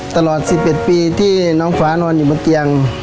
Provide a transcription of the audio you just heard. ตลอด๑๑ปีที่น้องฟ้านอนอยู่บนเตียง